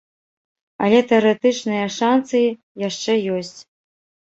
Але тэарэтычныя шанцы яшчэ ёсць.